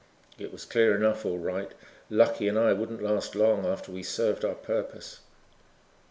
It was clear enough all right. Lucky and I wouldn't last long after we served our purpose.